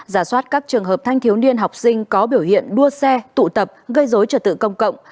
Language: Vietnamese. giả soát các trường hợp thanh thiếu niên học sinh có biểu hiện đua xe tụ tập gây dối trật tự công cộng